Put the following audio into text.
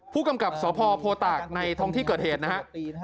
ผู้กำกับสพโพตากในท้องที่เกิดเหตุนะฮะ